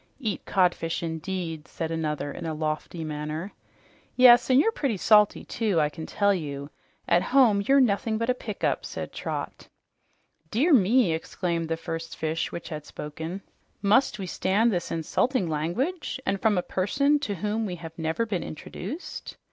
"Eat codfish indeed!" said another in a lofty manner. "Yes, and you're pretty salty, too, I can tell you. At home you're nothing but a pick up!" said Trot. "Dear me!" exclaimed the first fish who had spoken. "Must we stand this insulting language and from a person to whom we have never been introduced?"